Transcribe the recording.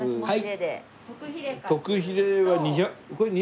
はい。